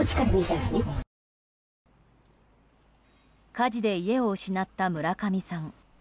火事で家を失った村上さん。